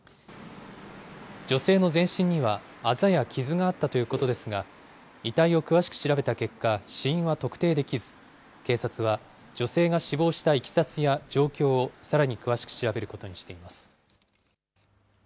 女性の全身にはあざや傷があったということですが、遺体を詳しく調べた結果、死因は特定できず、警察は女性が死亡したいきさつや状況をさらに詳しく調べることにしています。